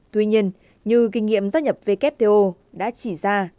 tuy nhiên như kinh nghiệm gia nhập wto đã chỉ ra